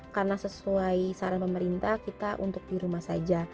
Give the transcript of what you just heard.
karena sesuai saran pemerintah kita untuk di rumah saja